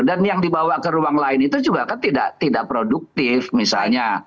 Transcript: dan yang dibawa ke ruang lain itu juga kan tidak produktif misalnya